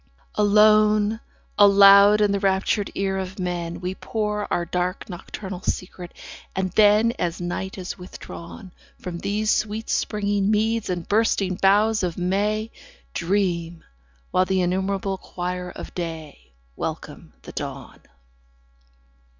Alone, aloud in the raptured ear of men We pour our dark nocturnal secret; and then, As night is withdrawn 15 From these sweet springing meads and bursting boughs of May, Dream, while the innumerable choir of day Welcome the dawn.